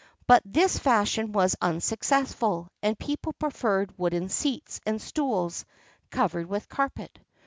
[XXXII 68] But this fashion was unsuccessful, and people preferred wooden seats and stools, covered with carpet.